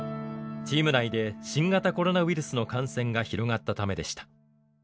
チーム内で新型コロナウイルスの感染が広がったためでした。